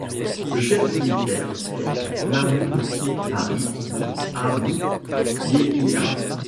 Le chef militaire est Mahmoud Barry, dit Abou Yehiya.